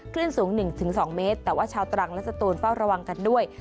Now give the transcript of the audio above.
คลื่นสูง๑๒เมตรแต่ว่าชาวตรังและสตูนเฝ้าระวังกันด้วย